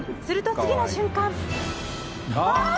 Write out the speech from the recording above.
すると、次の瞬間。